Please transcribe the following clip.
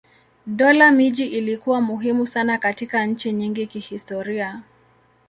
Dola miji ilikuwa muhimu sana katika nchi nyingi kihistoria.